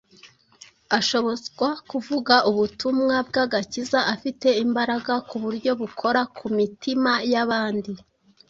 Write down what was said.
ashobozwa kuvuga ubutumwa bw’agakiza afite imbaraga ku buryo bukora ku mitima y’abandi.